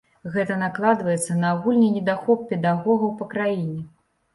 Гэта накладваецца на агульны недахоп педагогаў па краіне.